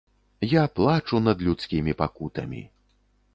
Я плачу над людскімі пакутамі.